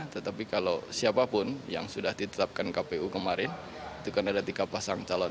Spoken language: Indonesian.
tetapi kalau siapapun yang sudah ditetapkan kpu kemarin itu kan ada tiga pasang calon